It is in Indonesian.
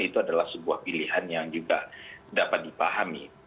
itu adalah sebuah pilihan yang juga dapat dipahami